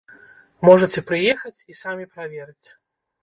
Можаце прыехаць і самі праверыць.